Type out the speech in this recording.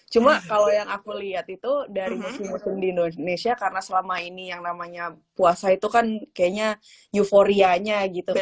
cuma kalau yang aku lihat itu dari musim musim di indonesia karena selama ini yang namanya puasa itu kan kayaknya euforianya gitu kan